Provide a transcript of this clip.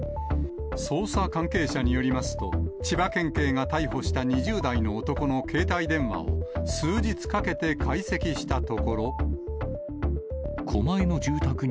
捜査関係者によりますと、千葉県警が逮捕された２０代の男の携帯電話を数日かけて解析したところ。